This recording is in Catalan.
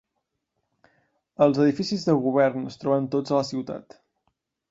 Els edificis de govern es troben tots a la ciutat.